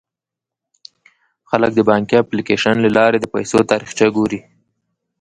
خلک د بانکي اپلیکیشن له لارې د پيسو تاریخچه ګوري.